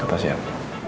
kau tak siap